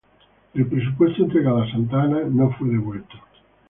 El presupuesto entregado a Santa Anna no fue devuelto.